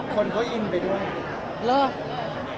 คนก็อินไปด้วย